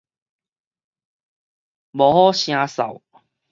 無好聲嗽